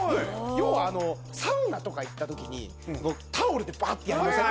要はサウナとか行ったときにタオルでばってやりません？